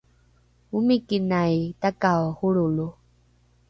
omikinai takao holrolo